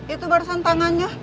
itu barusan tangannya